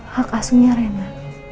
hak asuhnya rena